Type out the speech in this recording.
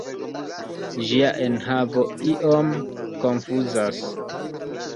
Ĝia enhavo iom konfuzas.